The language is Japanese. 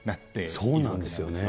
そうなんですよね。